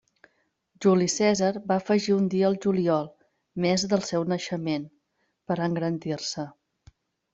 Juli Cèsar va afegir un dia al juliol, mes del seu naixement, per engrandir-se.